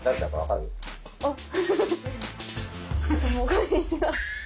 あっ。